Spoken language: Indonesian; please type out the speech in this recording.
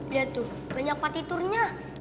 lihat tuh banyak patiturnya